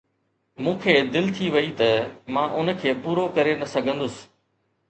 مون کي دل ٿي وئي ته مان ان کي پورو ڪري نه سگھندس.